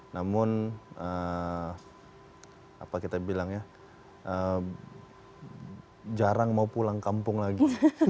namun apa kita bilang ya jarang mau pulang kampung lagi